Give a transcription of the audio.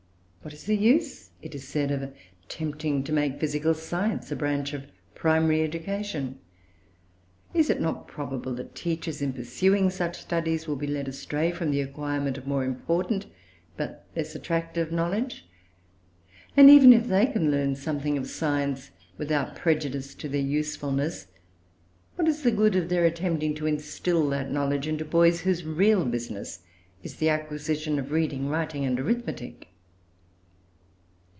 What is the use, it is said, of attempting to make physical science a branch of primary education? Is it not probable that teachers, in pursuing such studies, will be led astray from the acquirement of more important but less attractive knowledge? And, even if they can learn something of science without prejudice to their usefulness, what is the good of their attempting to instil that knowledge into boys whose real business is the acquisition of reading, writing, and arithmetic?